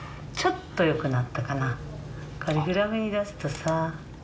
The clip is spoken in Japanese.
グラフに出すとさ。